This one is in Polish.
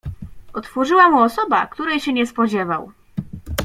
"Otworzyła mu osoba, której się nie spodziewał."